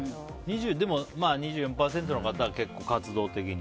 でも、２４％の方は結構、活動的に。